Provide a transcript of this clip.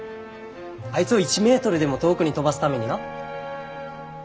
あいつを１メートルでも遠くに飛ばすためにな。